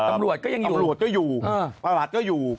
ตำรวจก็ยังอยู่หลวดก็อยู่ประหลัดก็อยู่